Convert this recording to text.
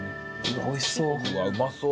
おいしそう！